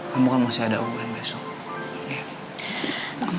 kamu kan masih ada hubungan besok